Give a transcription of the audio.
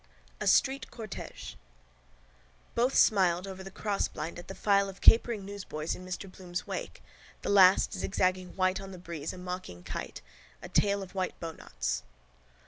A STREET CORTÈGE Both smiled over the crossblind at the file of capering newsboys in Mr Bloom's wake, the last zigzagging white on the breeze a mocking kite, a tail of white bowknots.